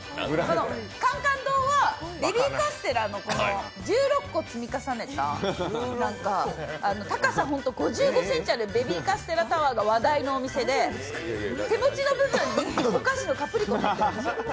甘々堂はベビーカステラの１６個積み重ねた、高さ５５ｃｍあるベビーカステラタワーが話題のお店で、手持ちの部分にお菓子のカプリコがついてるんですよ。